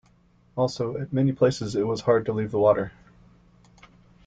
Also, at many places it was hard to leave the water.